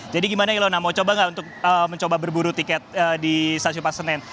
jadi gimana ilona mau coba gak untuk mencoba berburu tiket di stasiun pasenan